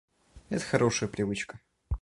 Это хорошая привычка